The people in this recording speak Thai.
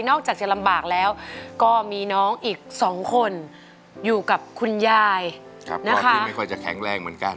อกจากจะลำบากแล้วก็มีน้องอีก๒คนอยู่กับคุณยายที่ไม่ค่อยจะแข็งแรงเหมือนกัน